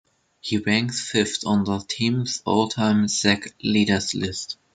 He ranks fifth on the team's All-time sack leaders list.